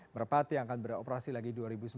merpati yang akan beroperasi lagi dua ribu sembilan belas